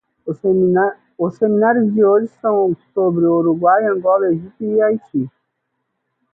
Os seminários de hoje são sobre o Uruguai, Angola, Egito e Haiti.